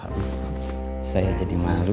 pak aji saya jadi malu